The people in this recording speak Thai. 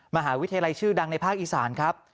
มหาวิทยาลัยชื่อดังในภาคอีสานครับ